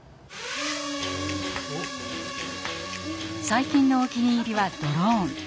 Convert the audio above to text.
最近のお気に入りはドローン。